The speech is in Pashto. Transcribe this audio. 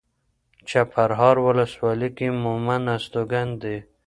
چپرهار ولسوالۍ کې مومند استوګن دي.